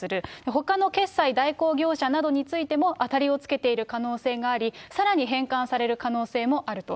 ほかの決済代行業者などについても当たりをつけている可能性があり、さらに返還される可能性もあると。